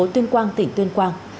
tỉnh tuyên quang